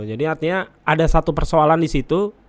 jadi artinya ada satu persoalan disitu